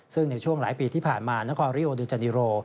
ซึ่งในช่วงหลายปีที่ผ่านมานะคราวริโอเดอร์แจ้นีโร